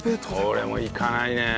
俺も行かないね。